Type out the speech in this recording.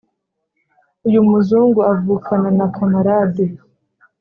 Uyu muzungu avukana na camalade